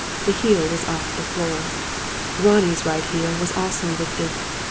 The heel was off the floor. Ronnie's right heel was also lifted.